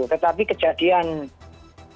tetapi kejadian di mesir yang masalahnya